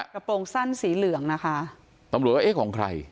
กระโปรงสั้นสีเหลืองนะคะตำรวจก็เอ๊ะของใคร